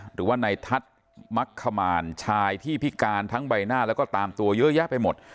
หรือว่าในทัศน์มักขมารชายที่พิการทั้งใบหน้าแล้วก็ตามตัวเยอะแยะไปหมด